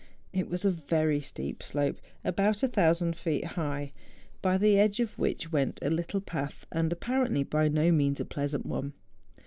It was a very steep slope, about 1000 feet high, by the edge of which went a little path, and apparently by no means a pleasant one.